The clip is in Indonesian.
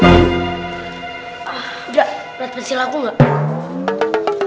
udah lihat pensil aku gak